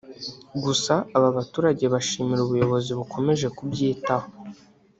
Gusa aba baturage bashimira ubuyobozi bukomeje kubyitaho